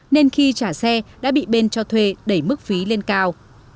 nên khi trả xe đã bị bên cho thuê đẩy mức phí lên cao